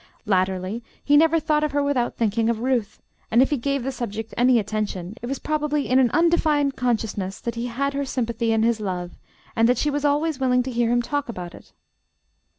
Latterly he never thought of her without thinking of Ruth, and if he gave the subject any attention, it was probably in an undefined consciousness that, he had her sympathy in his love, and that she was always willing to hear him talk about it.